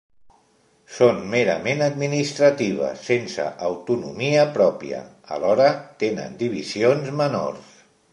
Són merament administratives sense autonomia pròpia; alhora, tenen divisions menors.